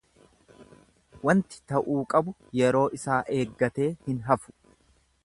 Wanti ta'uu qabu yeroo isaa eeggatee hin hafu.